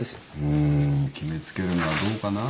ん決め付けるのはどうかなぁ。